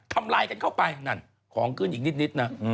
ทำร้ายกันเข้าไปนั่นของขึ้นอีกนิดนะ